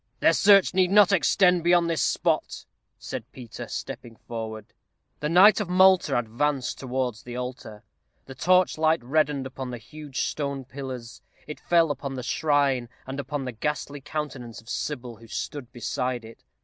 "Their search need not extend beyond this spot," said Peter, stepping forward. The knight of Malta advanced towards the altar. The torchlight reddened upon the huge stone pillars. It fell upon the shrine, and upon the ghastly countenance of Sybil, who stood beside it.